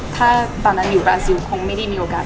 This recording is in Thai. ถ้าตอนนั้นอยู่บราซิลคงไม่ได้มีโอกาส